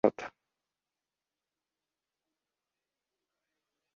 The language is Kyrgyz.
Анда менин туугандарым көп, чакырып жатышат.